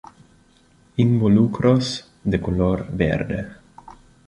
Involucros de color verde.